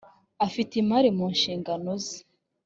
afite imari mu nshingano ze .